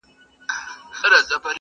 یار نښانه د کندهار راوړې و یې ګورئ,